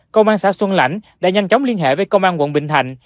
công an xã xuân lãnh đã nhanh chóng liên hệ với công an quận bình thạnh